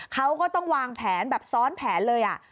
เขาก็ต้องวางแผนแบบซ้อนแผนเลย